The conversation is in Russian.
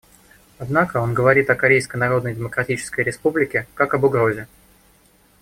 Однако он говорит о Корейской Народно-Демократической Республике как об угрозе.